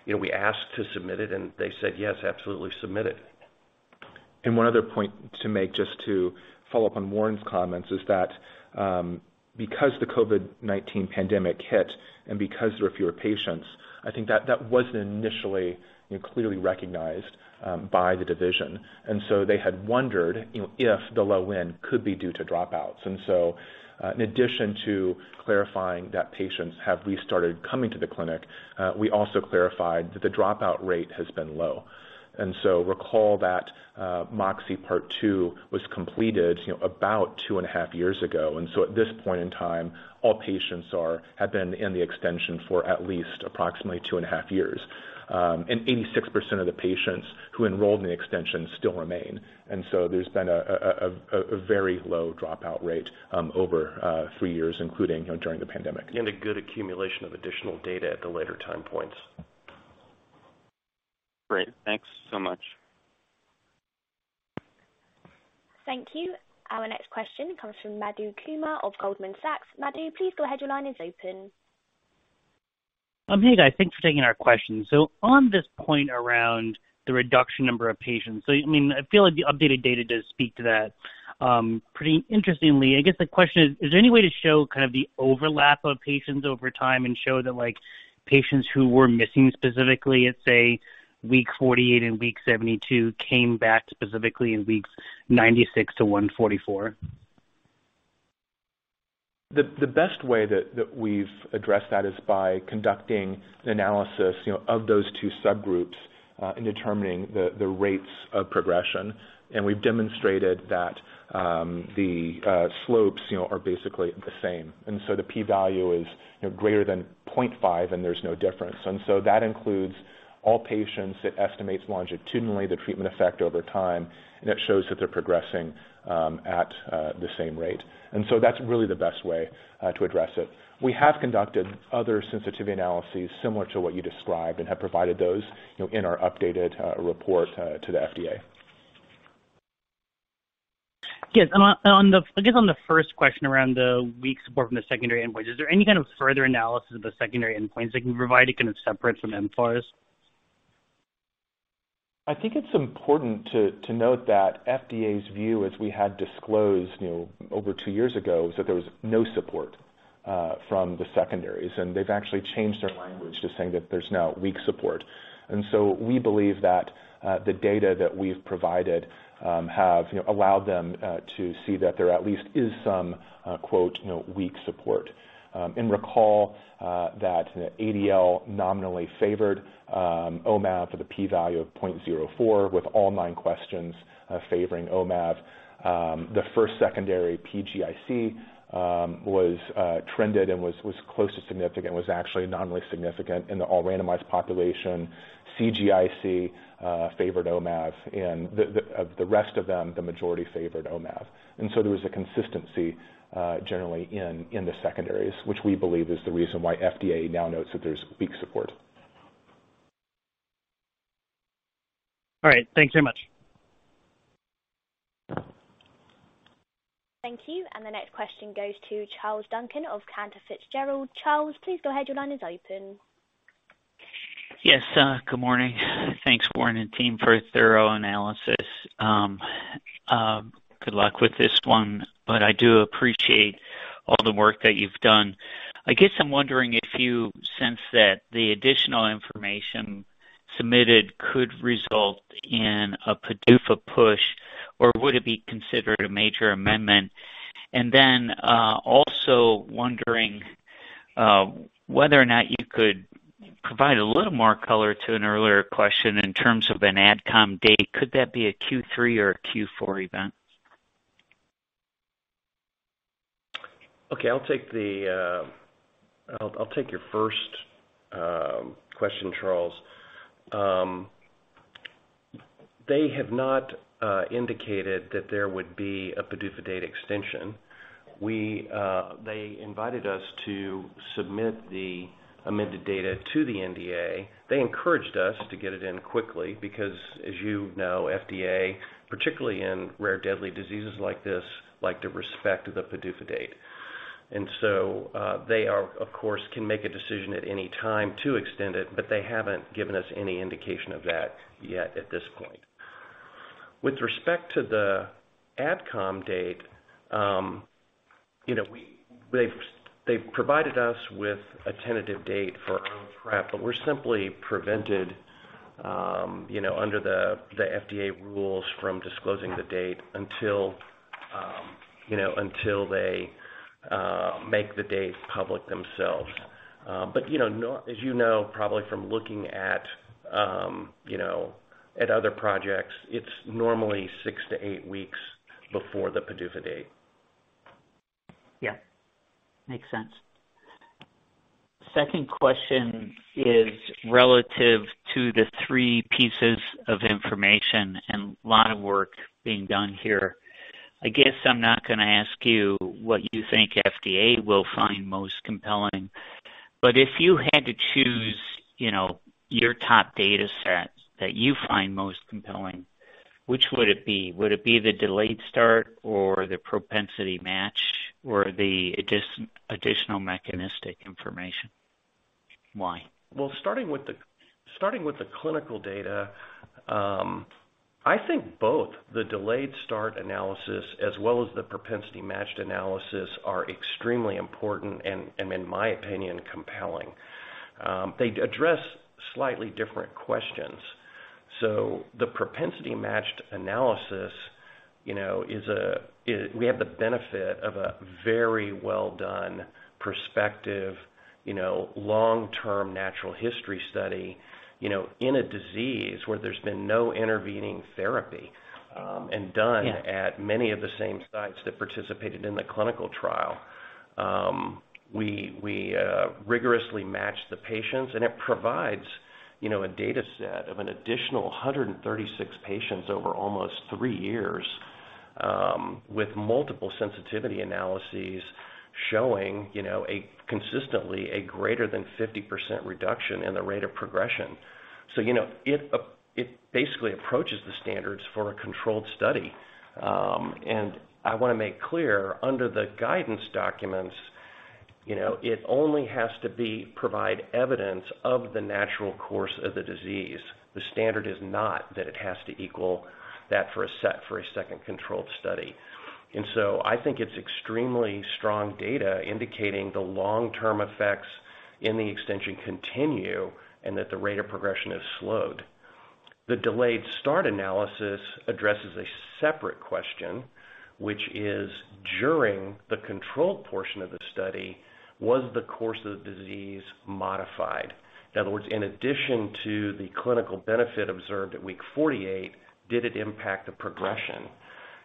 You know, we asked to submit it and they said, "Yes, absolutely, submit it." One other point to make, just to follow up on Warren's comments, is that, because the COVID-19 pandemic hit and because there are fewer patients, I think that wasn't initially, you know, clearly recognized by the division. They had wondered, you know, if the low end could be due to dropouts. In addition to clarifying that patients have restarted coming to the clinic, we also clarified that the dropout rate has been low. Recall that MOXIe Part 2 was completed, you know, about two and a half years ago. At this point in time, all patients have been in the extension for at least approximately two and a half years. 86% of the patients who enrolled in the extension still remain. There's been a very low dropout rate over three years, including you know during the pandemic. A good accumulation of additional data at the later time points. Great. Thanks so much. Thank you. Our next question comes from Madhu Kumar of Goldman Sachs. Madhu, please go ahead. Your line is open. Hey guys. Thanks for taking our question. On this point around the reduction number of patients. I mean, I feel like the updated data does speak to that, pretty interestingly. I guess the question is: Is there any way to show kind of the overlap of patients over time and show that like patients who were missing specifically at, say, week 48 and week 72 came back specifically in weeks 96-144? The best way that we've addressed that is by conducting an analysis, you know, of those two subgroups in determining the rates of progression. We've demonstrated that the slopes, you know, are basically the same. The P-value is, you know, greater than 0.5, and there's no difference. That includes all patients. It estimates longitudinally the treatment effect over time, and it shows that they're progressing at the same rate. That's really the best way to address it. We have conducted other sensitivity analyses similar to what you described, and have provided those, you know, in our updated report to the FDA. Yes. I guess, on the first question around the weak support from the secondary endpoints, is there any kind of further analysis of the secondary endpoints that you can provide kind of separate from mFARS? I think it's important to note that FDA's view, as we had disclosed, you know, over two years ago, is that there was no support from the secondaries, and they've actually changed their language to saying that there's now weak support. We believe that the data that we've provided have, you know, allowed them to see that there at least is some, quote, you know, "weak support." Recall that ADL nominally favored omav with a P-value of 0.04, with all nine questions favoring omav. The first secondary PGIC was trended and was close to significant, was actually nominally significant in the all randomized population. CGIC favored omav. The rest of them, the majority favored omav. There was a consistency, generally in the secondaries, which we believe is the reason why FDA now notes that there's weak support. All right. Thanks very much. Thank you. The next question goes to Charles Duncan of Cantor Fitzgerald. Charles, please go ahead. Your line is open. Yes, good morning. Thanks, Warren and team, for a thorough analysis. Good luck with this one, but I do appreciate all the work that you've done. I guess I'm wondering if you sense that the additional information submitted could result in a PDUFA push, or would it be considered a major amendment? Also wondering whether or not you could provide a little more color to an earlier question in terms of an AdCom date. Could that be a Q3 or a Q4 event? Okay, I'll take your first question, Charles. They have not indicated that there would be a PDUFA date extension. They invited us to submit the amended data to the NDA. They encouraged us to get it in quickly because as you know, FDA, particularly in rare deadly diseases like this, like to respect the PDUFA date. They are of course can make a decision at any time to extend it, but they haven't given us any indication of that yet at this point. With respect to the AdCom date, you know, they've provided us with a tentative date for our own prep, but we're simply prevented under the FDA rules from disclosing the date until they make the date public themselves. You know, as you know, probably from looking at other projects, it's normally six to eight weeks before the PDUFA date. Yeah. Makes sense. Second question is relative to the three pieces of information and a lot of work being done here. I guess I'm not gonna ask you what you think FDA will find most compelling, but if you had to choose, you know, your top data sets that you find most compelling, which would it be? Would it be the delayed start or the propensity match or the additional mechanistic information? Why? Well, starting with the clinical data, I think both the delayed start analysis as well as the propensity matched analysis are extremely important and, in my opinion, compelling. They address slightly different questions. The propensity matched analysis, you know, is. We have the benefit of a very well done prospective, you know, long-term natural history study, you know, in a disease where there's been no intervening therapy. Yeah Done at many of the same sites that participated in the clinical trial. We rigorously match the patients, and it provides, you know, a data set of an additional 136 patients over almost three years, with multiple sensitivity analyses. Showing, you know, a consistently greater than 50% reduction in the rate of progression. You know, it basically approaches the standards for a controlled study. I wanna make clear under the guidance documents, you know, it only has to provide evidence of the natural course of the disease. The standard is not that it has to equal that for a second controlled study. I think it's extremely strong data indicating the long-term effects in the extension continue and that the rate of progression has slowed. The delayed start analysis addresses a separate question, which is during the controlled portion of the study, was the course of the disease modified? In other words, in addition to the clinical benefit observed at week 48, did it impact the progression?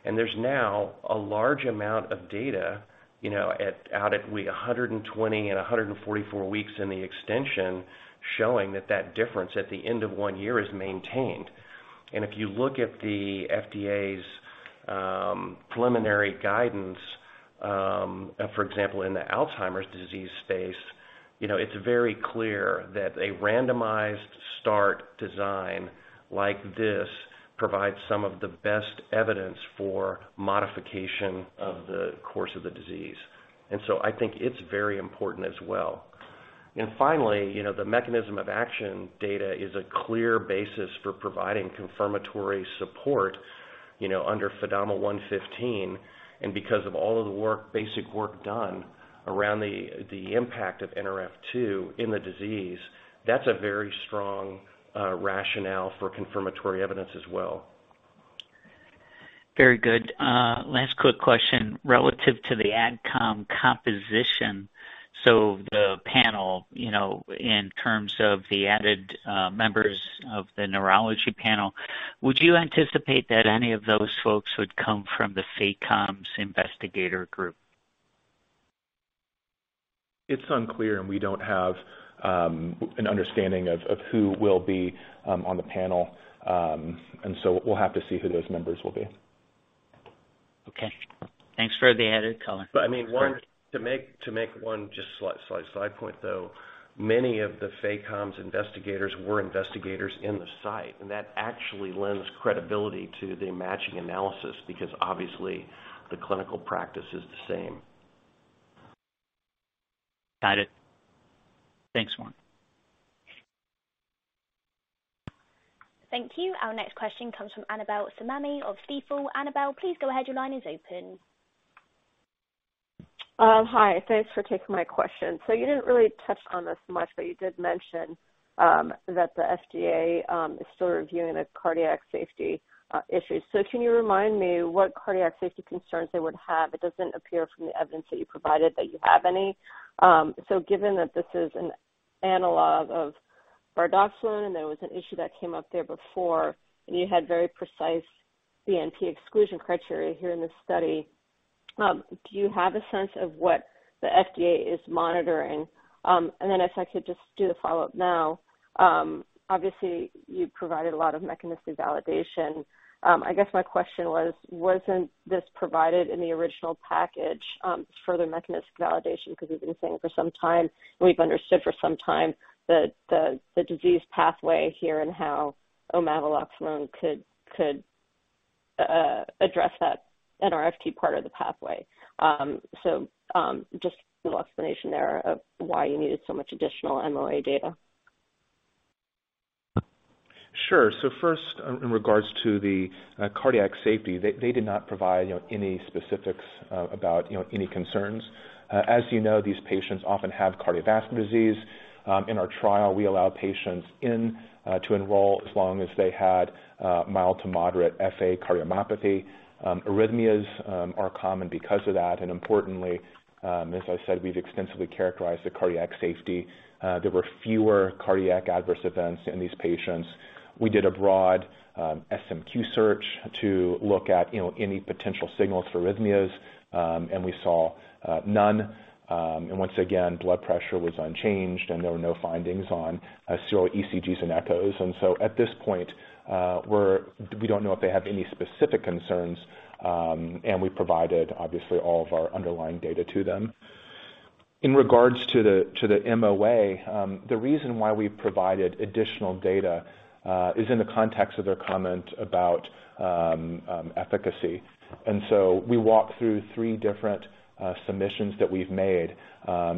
There's now a large amount of data, you know, at week 120 and 144 weeks in the extension, showing that that difference at the end of one year is maintained. If you look at the FDA's preliminary guidance, for example, in the Alzheimer's disease space, you know, it's very clear that a randomized start design like this provides some of the best evidence for modification of the course of the disease. I think it's very important as well. Finally, you know, the mechanism of action data is a clear basis for providing confirmatory support, you know, under FDAMA 115, and because of all of the work, basic work done around the impact of Nrf2 in the disease. That's a very strong rationale for confirmatory evidence as well. Very good. Last quick question. Relative to the AdCom composition, so the panel, you know, in terms of the added members of the neurology panel, would you anticipate that any of those folks would come from the FACOMS investigator group? It's unclear, and we don't have an understanding of who will be on the panel. We'll have to see who those members will be. Okay. Thanks for the added color. I mean, to make one just slight side point, though. Many of the FACOMS investigators were investigators in the site, and that actually lends credibility to the matching analysis because obviously the clinical practice is the same. Got it. Thanks, Warren Huff. Thank you. Our next question comes from Annabel Samimy of Stifel. Annabel, please go ahead. Your line is open. Hi, thanks for taking my question. You didn't really touch on this much, but you did mention that the FDA is still reviewing the cardiac safety issue. Can you remind me what cardiac safety concerns they would have? It doesn't appear from the evidence that you provided that you have any. Given that this is an analog of bardoxolone, there was an issue that came up there before, and you had very precise BNP exclusion criteria here in this study. Do you have a sense of what the FDA is monitoring? Then if I could just do the follow-up now. Obviously, you provided a lot of mechanistic validation. I guess my question was, wasn't this provided in the original package, further mechanistic validation? Because we've been saying for some time, and we've understood for some time that the disease pathway here and how omaveloxolone could address that Nrf2 part of the pathway. Just a little explanation there of why you needed so much additional MOA data. Sure. So first, in regards to the cardiac safety, they did not provide, you know, any specifics about, you know, any concerns. As you know, these patients often have cardiovascular disease. In our trial, we allow patients in to enroll as long as they had mild to moderate FA cardiomyopathy. Arrhythmias are common because of that. Importantly, as I said, we've extensively characterized the cardiac safety. There were fewer cardiac adverse events in these patients. We did a broad SMQ search to look at, you know, any potential signals for arrhythmias, and we saw none. Once again, blood pressure was unchanged, and there were no findings on serial ECGs and echoes. At this point, we don't know if they have any specific concerns, and we provided obviously all of our underlying data to them. In regards to the MOA, the reason why we provided additional data is in the context of their comment about efficacy. We walked through three different submissions that we've made.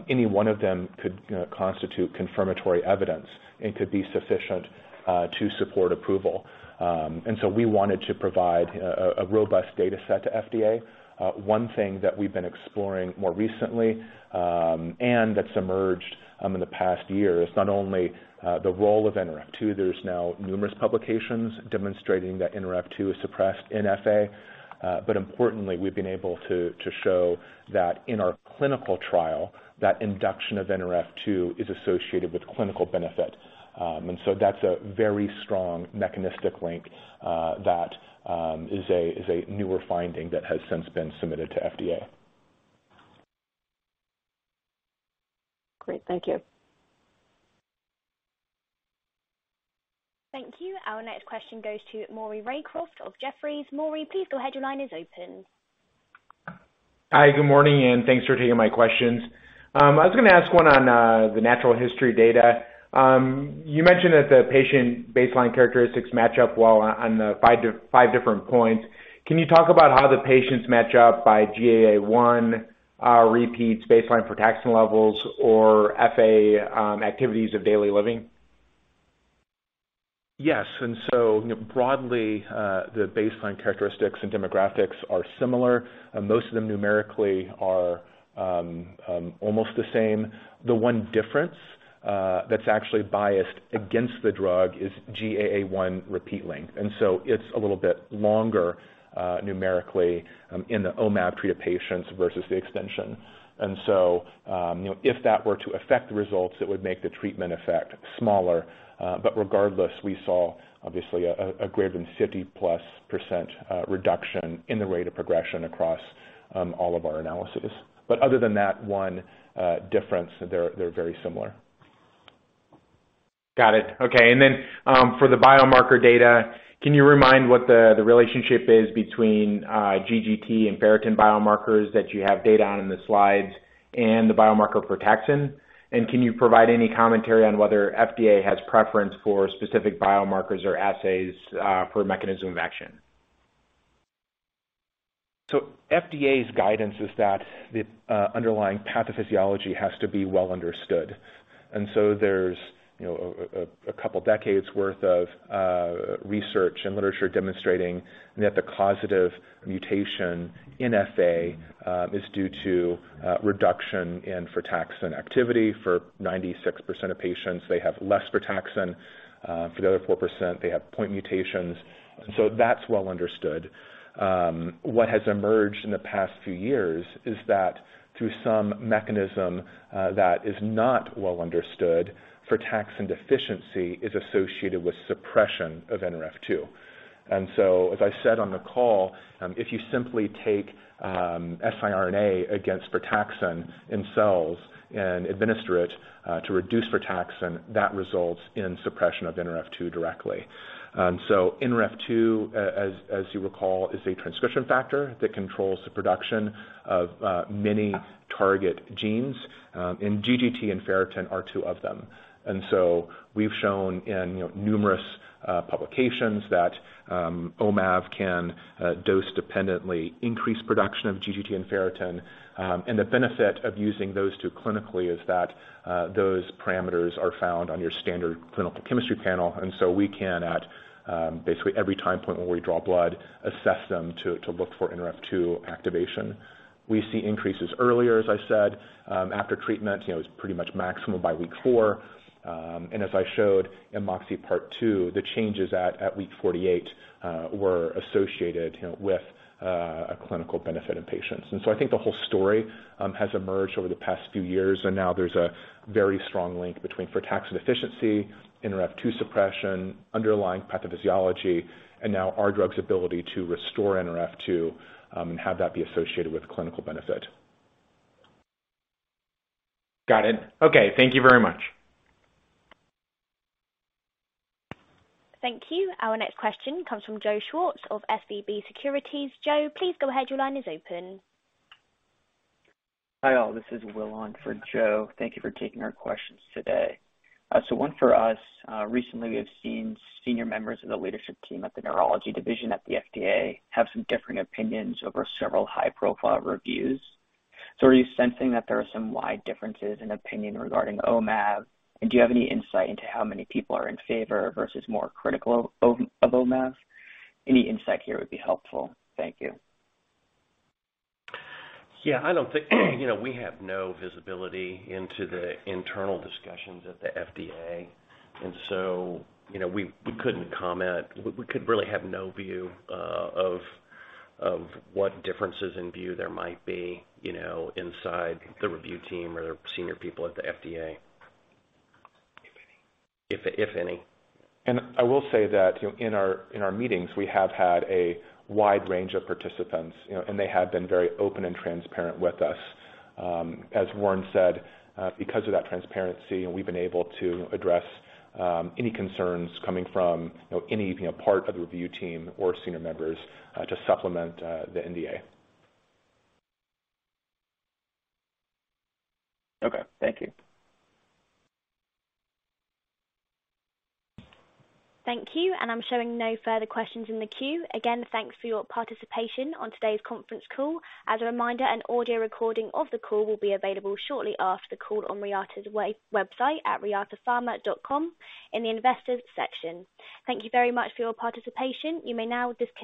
Any one of them could, you know, constitute confirmatory evidence and could be sufficient to support approval. We wanted to provide a robust data set to FDA. One thing that we've been exploring more recently, and that's emerged in the past year, is not only the role of Nrf2, there's now numerous publications demonstrating that Nrf2 is suppressed in FA. Importantly, we've been able to show that in our clinical trial, that induction of Nrf2 is associated with clinical benefit. That's a very strong mechanistic link, that is a newer finding that has since been submitted to FDA. Great. Thank you. Thank you. Our next question goes to Maury Raycroft of Jefferies. Maury, please go ahead. Your line is open. Hi. Good morning, and thanks for taking my questions. I was gonna ask one on the natural history data. You mentioned that the patient baseline characteristics match up well on the five different points. Can you talk about how the patients match up by GAA1 repeats baseline frataxin levels or FA activities of daily living? Yes. Broadly, the baseline characteristics and demographics are similar. Most of them numerically are almost the same. The one difference that's actually biased against the drug is GAA1 repeat length. It's a little bit longer numerically in the omav patients versus the extension. You know, if that were to affect the results, it would make the treatment effect smaller. Regardless, we saw obviously a greater than 50% reduction in the rate of progression across all of our analysis. Other than that one difference, they're very similar. Got it. Okay. For the biomarker data, can you remind what the relationship is between GGT and ferritin biomarkers that you have data on in the slides and the biomarker protection? Can you provide any commentary on whether FDA has preference for specific biomarkers or assays for mechanism of action? FDA's guidance is that the underlying pathophysiology has to be well understood. There's you know a couple decades worth of research and literature demonstrating that the causative mutation in FA is due to reduction in frataxin activity for 96% of patients, they have less frataxin. For the other 4%, they have point mutations. That's well understood. What has emerged in the past few years is that through some mechanism that is not well understood, frataxin deficiency is associated with suppression of Nrf2. As I said on the call, if you simply take siRNA against frataxin in cells and administer it to reduce frataxin, that results in suppression of Nrf2 directly. Nrf2, as you recall, is a transcription factor that controls the production of many target genes, and GGT and ferritin are two of them. We've shown in you know numerous publications that omav can dose dependently increase production of GGT and ferritin. The benefit of using those two clinically is that those parameters are found on your standard clinical chemistry panel. We can at basically every time point when we draw blood assess them to look for Nrf2 activation. We see increases earlier, as I said, after treatment, you know, it's pretty much maximum by week four. As I showed in MOXIe Part 2, the changes at week 48 were associated you know with a clinical benefit in patients. I think the whole story has emerged over the past few years, and now there's a very strong link between frataxin deficiency, Nrf2 suppression, underlying pathophysiology, and our drug's ability to restore Nrf2, and have that be associated with clinical benefit. Got it. Okay. Thank you very much. Thank you. Our next question comes from Joe Schwartz of SVB Securities. Joe, please go ahead. Your line is open. Hi, all. This is Will on for Joe. Thank you for taking our questions today. Recently, we have seen senior members of the leadership team at the neurology division at the FDA have some differing opinions over several high-profile reviews. Are you sensing that there are some wide differences in opinion regarding omav? And do you have any insight into how many people are in favor versus more critical of omav? Any insight here would be helpful. Thank you. Yeah. I don't think you know, we have no visibility into the internal discussions at the FDA, and so, you know, we couldn't comment. We could really have no view of what differences in view there might be, you know, inside the review team or the senior people at the FDA. If any. If any. I will say that, you know, in our meetings, we have had a wide range of participants, you know, and they have been very open and transparent with us. As Warren said, because of that transparency, we've been able to address any concerns coming from, you know, any part of the review team or senior members to supplement the NDA. Okay. Thank you. Thank you. I'm showing no further questions in the queue. Again, thanks for your participation on today's conference call. As a reminder, an audio recording of the call will be available shortly after the call on Reata's website at reatapharma.com in the Investors section. Thank you very much for your participation. You may now disconnect.